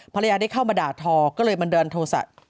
ภรรยาได้เข้ามาด่าทอก็เลยมันเดินโทรศัตริย์